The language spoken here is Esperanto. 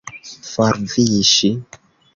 forviŝi